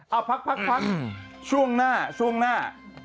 เอ้าพักช่วงหน้า